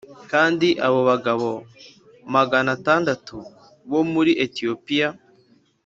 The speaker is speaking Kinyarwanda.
Kandi abo bagabo magana atandatu bo muri etiyopiya